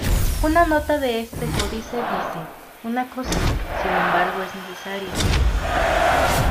Una nota de este códice dice:""Una cosa, sin embargo, es necesaria.